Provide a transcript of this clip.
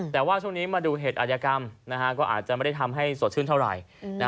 แต่ว่าช่วงนี้มาดูเหตุอายกรรมก็อาจจะไม่ได้ทำให้สดชื่นเท่าไหร่